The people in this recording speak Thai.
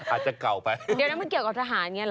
อาจจะเก่าไปเดี๋ยวนั้นมันเกี่ยวกับทหารอย่างนี้เห